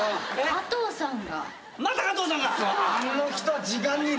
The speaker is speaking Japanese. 加藤さん。